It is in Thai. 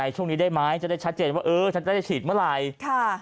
ช่วงนี้ได้ไหมจะได้ชัดเจนว่าเออฉันจะได้ฉีดเมื่อไหร่